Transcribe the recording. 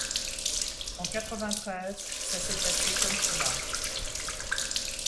En quatre-vingt-treize, ça s’est passé comme cela…